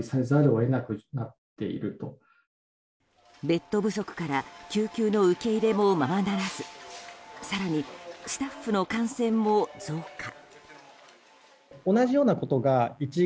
ベッド不足から救急の受け入れもままならず更に、スタッフの感染も増加。